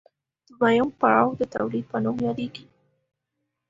دویم پړاو د تولید په نوم یادېږي